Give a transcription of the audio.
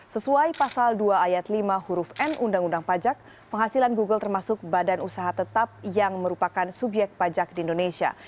sesuai pasal dua ayat lima huruf n undang undang pajak penghasilan google termasuk badan usaha tetap yang merupakan subyek pajak di indonesia